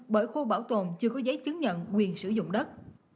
bởi khu bảo tồn chưa có giấy chứng nhận quyền sử dụng đất